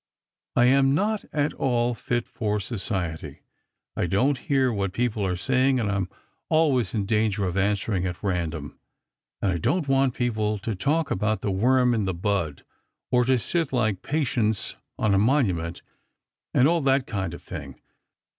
I am not at all tit for society. I don't hear what people are saying, and I am always in danger of answering at random ; and I don't want people to talk about the worm in the bud, or to sit like Patience on a monument, and all that kind of thing.